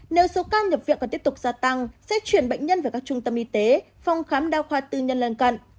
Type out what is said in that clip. nếu số ca nhập viện còn tiếp tục gia tăng sẽ chuyển bệnh nhân về các trung tâm y tế phòng khám đa khoa tư nhân lân cận